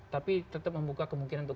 tapi tetap membuka kemungkinan untuk